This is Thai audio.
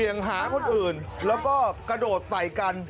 หาคนอื่นแล้วก็กระโดดใส่กัน